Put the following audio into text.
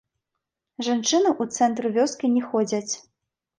Жанчыны ў цэнтр вёскі не ходзяць.